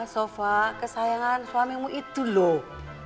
sofa kesayangan suamimu itu loh